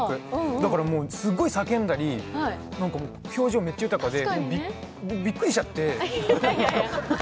だから、すごい叫んだり表情めっちゃ豊かでビックリしちゃって。